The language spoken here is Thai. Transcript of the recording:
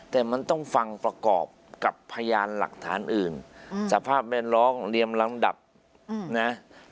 แต่มันต้องฟังประกอบกับพยานหลักฐานอื่นสภาพแวดล้อมเรียมลำดับนะ